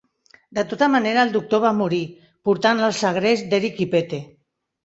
De tota manera, el doctor va morir, portant al segrest de Eric i Pete.